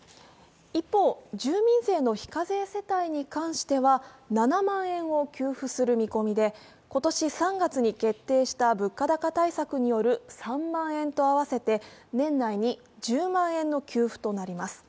一方、住民税の非課税世帯に関しては７万円を給付する見込みで、今年３月に決定した物価高対策による３万円と合わせて年内に１０万円の給付となります。